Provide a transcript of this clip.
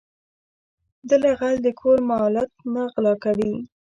دله غل د کور مالت نه غلا کوي.